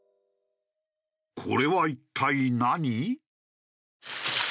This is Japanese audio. これは一体何？